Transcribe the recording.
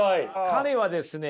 彼はですね